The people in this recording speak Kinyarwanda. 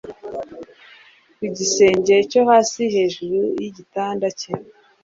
Ku gisenge cyo hasi hejuru yigitanda cye